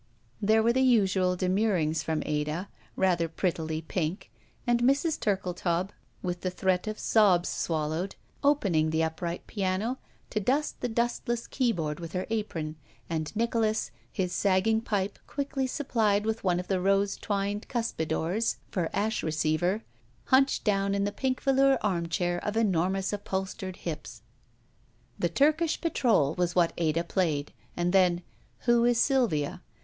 There were the usual demurrings from Ada, rather prettily pink, and Mrs. Turkletaub, with the threat 261 ROULETTE of sobs swallowed, opening the upright piano to dust the dustless keyboard with her apron, and Nicholas, his sagging pipe quickly supplied with one of the rose twined cuspidors for ash receiver, hunched down in the pink velour armchair of enormous upholstered hips. The Turkish Patrol was what Ada played, and then, Who Is Sylvia?"